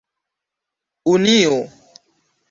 unio